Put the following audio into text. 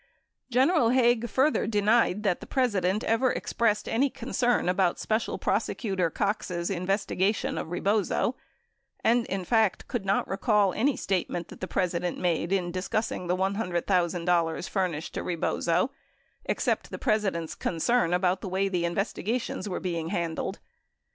98 General Haig further denied that the President ever expressed any concern about Special Prosecutor Cox's investigation of Eebozo and, in fact, could not recollect any statement that the President made in discussing the $100,000 furnished to Eebozo, except the President's concern about the way the investigations were being handled.